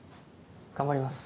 頑張ります。